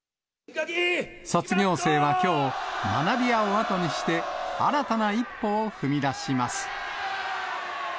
卒業生はきょう、学びやを後にして、新たな一歩を踏み出します。